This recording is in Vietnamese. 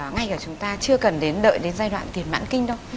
ngay cả chúng ta chưa cần đến đợi đến giai đoạn tiền mãn kinh đâu